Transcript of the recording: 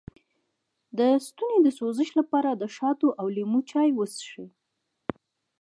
د ستوني د سوزش لپاره د شاتو او لیمو چای وڅښئ